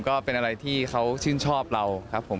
ก็เป็นอะไรที่เขาชื่นชอบเราครับผม